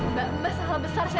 mbak masalah besar kak